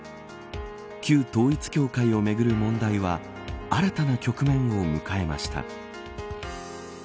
旧統一教会をめぐる問題は新たな局面を迎えました。